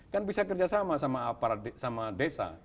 kan bisa kerjasama sama desa